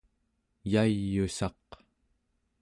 yay'ussaq